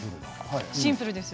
シンプル。